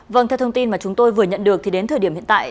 vâng theo thông tin mà chúng tôi vừa nhận được thì đến thời điểm hiện tại